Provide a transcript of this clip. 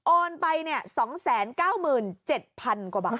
โอนไปเนี่ย๒๙๗๐๐๐กว่าบาท